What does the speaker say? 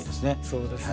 そうですね。